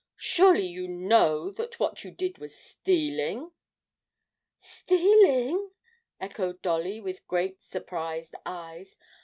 Surely you know that what you did was stealing?' 'Stealing!' echoed Dolly, with great surprised eyes.